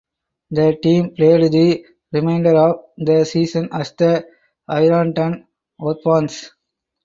The team played the remainder of the season as the Ironton Orphans.